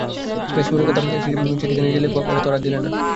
বেশ মনের মতো করে চিঠিখানি যে লিখব এরা তা আর দিলে না।